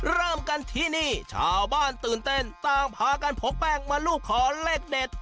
เริ่มกันที่นี่ชาวบ้านตื่นเต้นต่างพากันพกแป้งมารูปขอเลขเด็ด